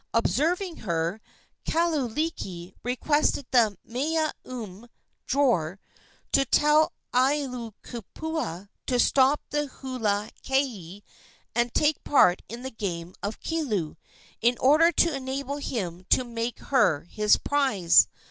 Observing her, Hauailiki requested the mea ume (drawer) to tell Aiwohikupua to stop the hula kaeke and take part in the game of kilu, in order to enable him to make her his prize.